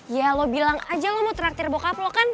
ya lo bilang aja lo mau traktir bokap lo kan